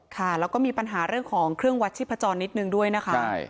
ค่ะแล้วก็มีปัญหาเรื่องของเครื่องวัดชีพจรนิดนึงด้วยนะคะ